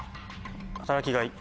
働きがい。